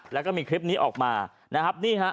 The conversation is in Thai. แล้วก็มีคลิปนี้ออกมา